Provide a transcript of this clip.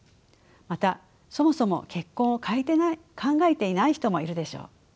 またそもそも結婚を考えていない人もいるでしょう。